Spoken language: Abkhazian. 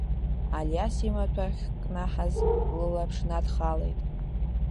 Алиас имаҭәа ахькнаҳаз лылаԥш надхалеит.